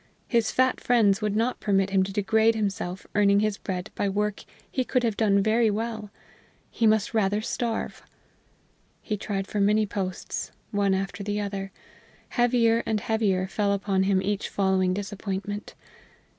His fat friends would not permit him to degrade himself earning his bread by work he could have done very well; he must rather starve! He tried for many posts, one after the other. Heavier and heavier fell upon him each following disappointment.